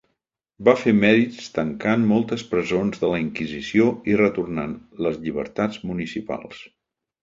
Va fer mèrits tancant moltes presons de la inquisició i retornant les llibertats municipals.